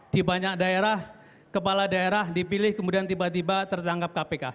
di banyak daerah kepala daerah dipilih kemudian tiba tiba tertangkap kpk